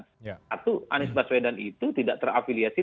satu anies baswedan itu tidak terafiliasi